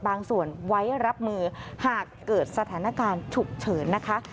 ส่วนไว้รับมือหากเกิดสถานการณ์ฉุกเฉินนะคะ